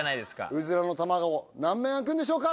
うずらの卵何面あくんでしょうか